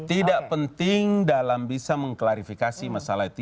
tidak penting dalam bisa mengklarifikasi masalah itu